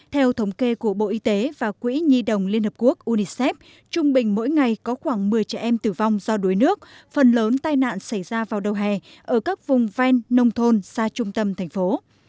theo thống kê của bộ y tế và quỹ nhi đồng liên hợp quốc unicef trung bình mỗi ngày có khoảng một mươi trẻ em tử vong do đuối nước phần lớn tai nạn xảy ra vào đầu hè ở các vùng ven nông thôn xa trung tâm thành phố